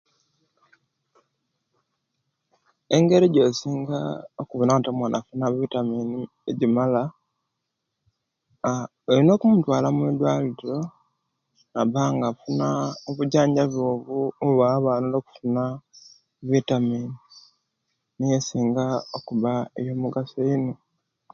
"Engeri ejosinga okuwona nti omwaana afuna ""vitamins"", egimala, aah olina okumutwala omwidwaliro nabanga afuna obujanjabi obwo obubawa abaana okufuna ""vitamins"", niyo esinga okuba eyomugaso eino."